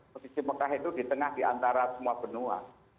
posisi mekah itu di tengah di antara semua benua